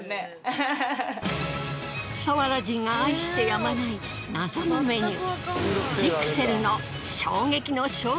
佐原人が愛してやまない謎のメニュー。